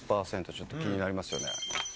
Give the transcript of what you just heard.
ちょっと気になりますよね。